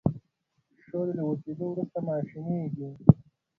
شولې له وچیدو وروسته ماشینیږي.